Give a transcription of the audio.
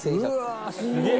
うわすげえ！